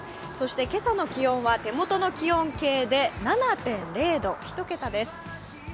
今朝の気温は手元の気温計で７．０度、一桁です。